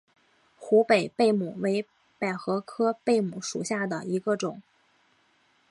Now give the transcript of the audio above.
湖北贝母为百合科贝母属下的一个种。